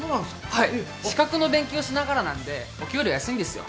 はい資格の勉強しながらなんでお給料安いんですよ。